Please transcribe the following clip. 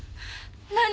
何？